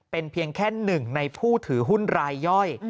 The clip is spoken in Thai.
เป็นเพียงแค่หนึ่งในผู้ถือหุ้นรายย่อย